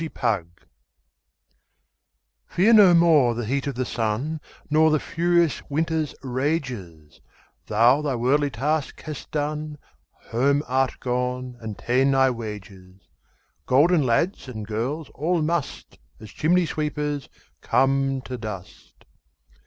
Fidele FEAR no more the heat o' the sunNor the furious winter's rages; Thou thy worldly task hast done, Home art gone and ta'en thy wages:Golden lads and girls all must, As chimney sweepers, come to dust.